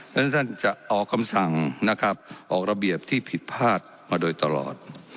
ฉะนั้นท่านจะออกคำสั่งนะครับออกระเบียบที่ผิดพลาดมาโดยตลอด